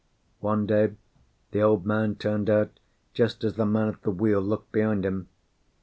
One day the Old Man turned out just as the man at the wheel looked behind him.